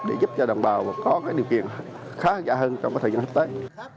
để giúp cho đồng bào có cái điều kiện khá giả hơn trong cái thời gian tiếp tới